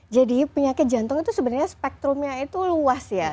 jadi penyakit jantung itu sebenarnya spektrumnya itu luas ya